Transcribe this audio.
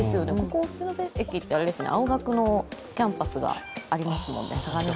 淵野辺駅って青学のキャンパスがありますもんね。